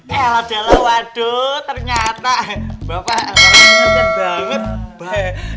eh waduh ternyata bapak sangat sangat banget